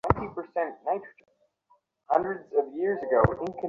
ছেলেরা, জলদি।